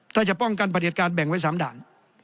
ถ้าจะป้องกันประเด็จการแบ่งไว้๓ด่าน